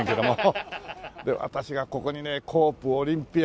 で私がここにねコープオリンピア。